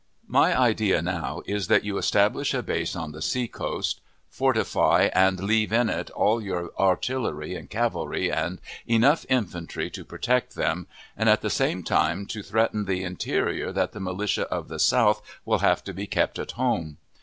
My idea now is that you establish a base on the sea coast, fortify and leave in it all your artillery and cavalry, and enough infantry to protect them, and at the same time so threaten the interior that the militia of the South will have to be kept at home.